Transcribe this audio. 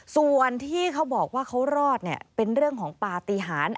ส่วนที่เขาบอกว่าเขารอดเป็นเรื่องของปฏิหาร